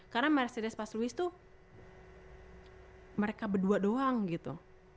karena mercedes pas lewis tuh mereka berdua doang gitu